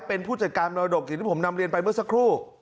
เป็นผู้จัดการมรดกอย่างที่ผมนำเรียนไปเมื่อสักครู่